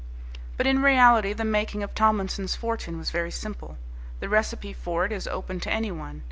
But in reality the making of Tomlinson's fortune was very simple. The recipe for it is open to anyone.